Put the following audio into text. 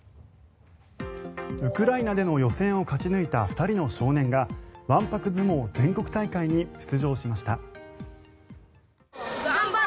ウクライナでの予選を勝ち抜いた２人の少年がわんぱく相撲全国大会に出場しました。